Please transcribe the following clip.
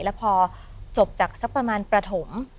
แล้วพอจบจากสักประมาณประถม